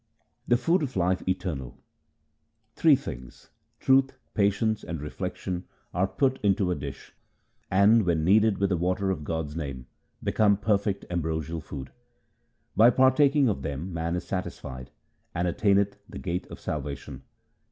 The food of life eternal :— Three things — truth, patience, and reflection are put into a dish ; and, when kneaded with the water of God's name, become perfect ambrosial food. By partaking of them man is satisfied, and attaineth the gate of salvation.